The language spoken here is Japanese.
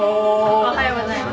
おはようございます。